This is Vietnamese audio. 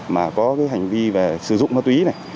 mà có cái hành vi về sử dụng ma túy này